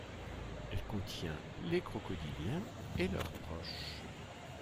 Elle contient les crocodyliens et leurs proches.